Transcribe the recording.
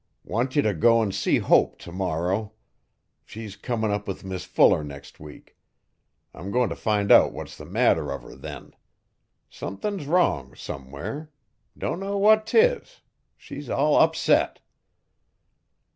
Want ye t'go 'n see Hope tomorrow. She's comm up with Mis Fuller next week. I'm goin' t' find out what's the matter uv her then. Somethin's wrong somewhere. Dunno what 'tis. She's all upsot.